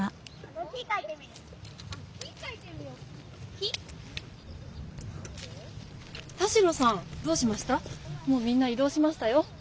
もうみんないどうしましたよ。